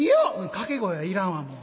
「掛け声はいらんわもう。